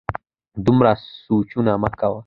دومره سوچونه مه کوه